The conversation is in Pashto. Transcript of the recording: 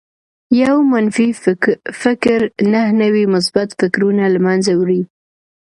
يو منفي فکر نهه نوي مثبت فکرونه لمنځه وړي